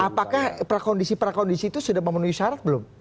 apakah prakondisi prakondisi itu sudah memenuhi syarat belum